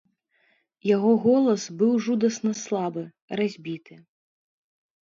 Яго голас быў жудасна слабы, разбіты.